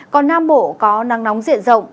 còn nam bộ có nắng nóng diện rộng